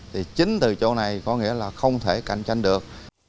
thì chính từ chỗ này có nghĩa là không thể cạnh tranh được